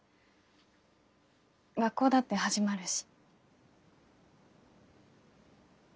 学校だって始まるし。